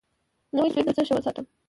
نو سپی به څه ښه وساتم.